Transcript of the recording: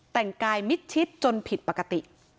แต่งกายมิดชิดจนผิดปกติ